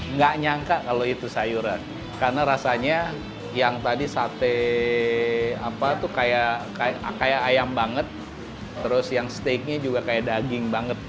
nggak nyangka kalau itu sayuran karena rasanya yang tadi sate apa tuh kayak ayam banget terus yang steaknya juga kayak daging banget